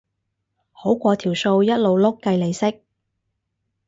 好過條數一路碌計利息